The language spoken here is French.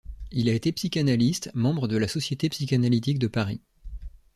Il a été psychanalyste, membre de la Société psychanalytique de Paris.